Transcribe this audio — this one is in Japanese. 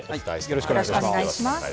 よろしくお願いします。